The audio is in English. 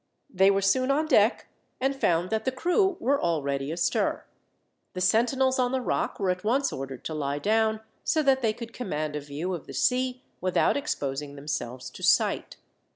They were soon on deck, and found that the crew were already astir. The sentinels on the rock were at once ordered to lie down, so that they could command a view of the sea, without exposing themselves to sight.